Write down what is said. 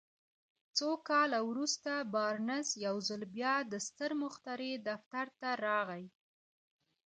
څو کاله وروسته بارنس يو ځل بيا د ستر مخترع دفتر ته راغی.